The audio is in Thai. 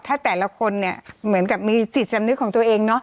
ถ้าแต่ละคนเหมือนกับมีจิตคำนึกของตัวเอง